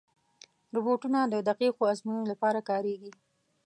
روبوټونه د دقیقو ازموینو لپاره کارېږي.